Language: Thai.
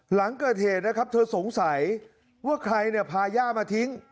หลังเกิดเหตุนะครับเธอสงสัยว่าใครเนี่ยพาย่ามาทิ้ง